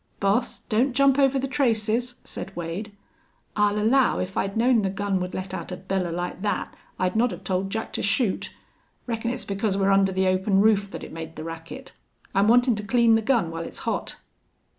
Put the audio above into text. "Boss, don't jump over the traces," said Wade. "I'll allow if I'd known the gun would let out a bellar like that I'd not have told Jack to shoot. Reckon it's because we're under the open roof that it made the racket. I'm wantin' to clean the gun while it's hot."